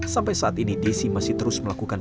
sampai saat ini desi masih terus melakukan